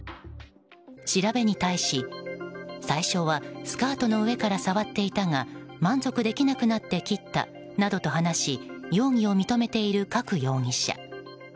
調べに対し、最初はスカートの上から触っていたが満足できなくなって切ったなどと話し容疑を認めている加久容疑者。